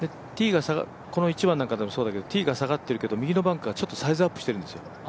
この１番などでもそうだけど、ティーが下がっても右のバンカーはちょっとサイズアップしてるんですよ。